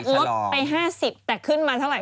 ก็บอกว่าลดไป๕๐แต่ขึ้นมาเท่าไหร่